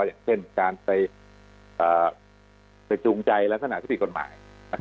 อย่างเช่นการไปจูงใจลักษณะที่ผิดกฎหมาย